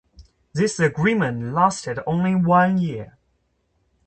This agreement lasted only one year.